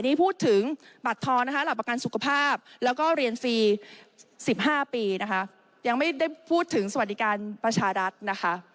นี่พูดถึงบัตรทอนะคะหลักประกันสุขภาพแล้วก็เรียนฟรี๑๕ปีนะคะยังไม่ได้พูดถึงสวัสดิการประชารัฐนะคะ